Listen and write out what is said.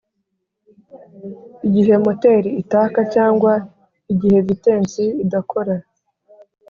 igihe moteri itaka cyangwa igihe vitensi idakora.